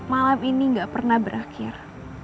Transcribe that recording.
malam ini gak pernah berakhir